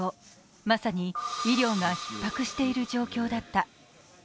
まさに医療がひっ迫している状況だった。